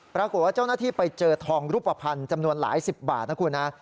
ปรากฏว่าเจ้าหน้าที่ไปเจอทองรูปภัณฑ์จำนวนหลายสิบบาทนะคุณฮะ